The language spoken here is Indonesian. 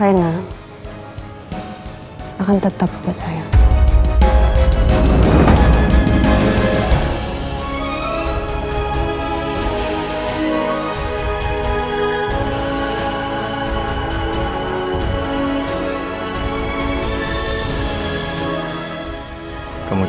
tidak membuat saya lemah